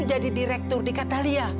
jadi direktur di katalia